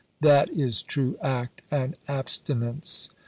that is true act And abstinence!